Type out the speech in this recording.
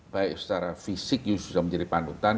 baik secara fisik you bisa menjadi panutan